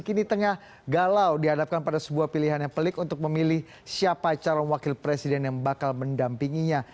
kini tengah galau dihadapkan pada sebuah pilihan yang pelik untuk memilih siapa calon wakil presiden yang bakal mendampinginya